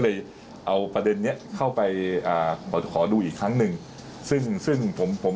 เลยเอาประเด็นเนี้ยเข้าไปอ่าขอขอดูอีกครั้งหนึ่งซึ่งซึ่งผมผม